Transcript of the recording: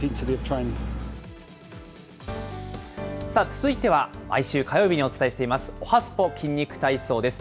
続いては、毎週火曜日にお伝えしています、おはＳＰＯ筋肉体操です。